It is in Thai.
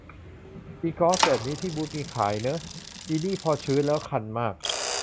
อิกอซแบบนี้ ที่บูตส์มีขายเนอะ อินี่พอชื้นแล้วคันมาก